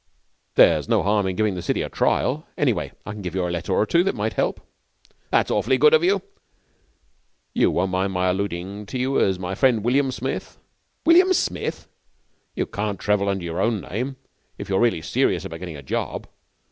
'There's no harm in giving the city a trial. Anyway, I can give you a letter or two that might help.' 'That's awfully good of you.' 'You won't mind my alluding to you as my friend William Smith?' 'William Smith?' 'You can't travel under your own name if you are really serious about getting a job.